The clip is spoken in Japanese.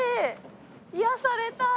癒やされたい。